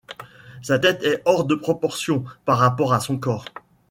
Sa tête est hors de proportion par rapport à son corps.